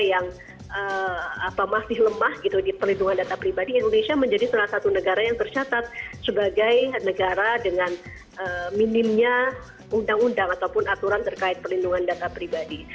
yang masih lemah gitu di perlindungan data pribadi indonesia menjadi salah satu negara yang tercatat sebagai negara dengan minimnya undang undang ataupun aturan terkait perlindungan data pribadi